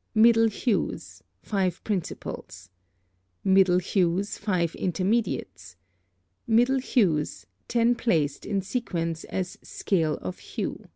_ Middle hues (5 principals). Middle hues (5 intermediates). Middle hues (10 placed in sequence as SCALE of HUE).